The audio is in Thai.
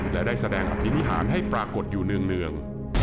และได้แสดงอภินิหารให้ปรากฏอยู่เนื่อง